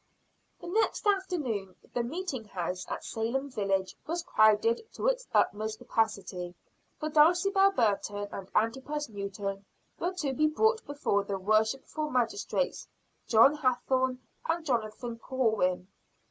The next afternoon the meeting house at Salem village was crowded to its utmost capacity; for Dulcibel Burton and Antipas Newton were to be brought before the worshipful magistrates, John Hathorne and Jonathan Corwin.